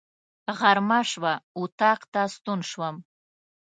غرمه شوه، اطاق ته ستون شوم.